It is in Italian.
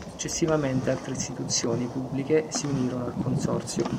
Successivamente altre istituzioni pubbliche si unirono al consorzio.